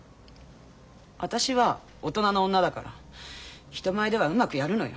私は大人の女だから人前ではうまくやるのよ。